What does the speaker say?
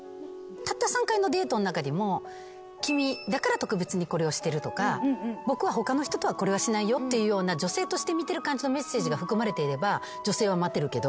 たった３回のデートの中でも君だから特別にこれをしてるとか僕は他の人とはこれはしないよっていうような女性として見てる感じのメッセージが含まれていれば女性は待てるけど。